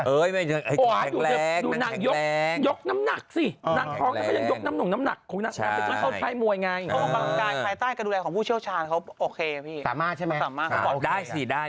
โอ้โหระวังนะดี